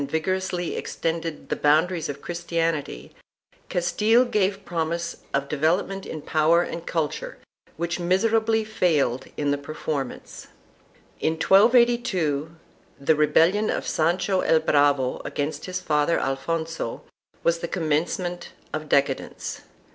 I] ABASEMENT OF THE CM OWN 3 aries of Christianity, Castile gave promise of development in power and culture which miserably failed in the performance. In 1282 the rebellion of Sancho el Bravo against his father Alfonso was the commencement of decadence.